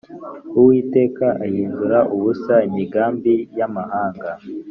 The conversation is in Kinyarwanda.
Uwiteka ahindura ubusa imigambi y’amahanga